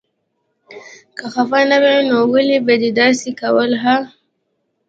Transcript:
که خفه نه وې نو ولې به دې داسې کول هه.